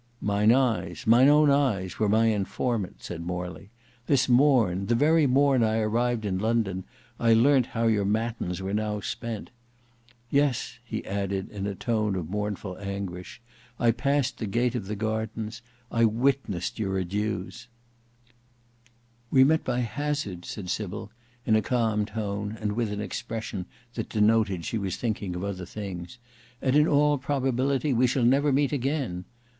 "Mine eyes—mine own eyes—were my informant," said Morley. "This morn, the very morn I arrived in London, I learnt how your matins were now spent. Yes!" he added in a tone of mournful anguish, "I passed the gate of the gardens; I witnessed your adieus." "We met by hazard," said Sybil, in a calm tone, and with an expression that denoted she was thinking of other things, "and in all probability we shall never meet again.